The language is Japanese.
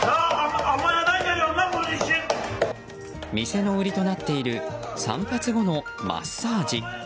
店の売りとなっている散髪後のマッサージ。